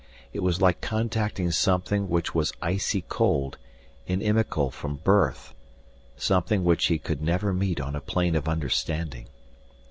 It was like contacting something which was icy cold, inimical from birth, something which he could never meet on a plain of understanding.